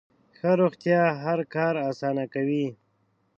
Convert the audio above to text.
ښه روغتیا هر کار اسانه کوي.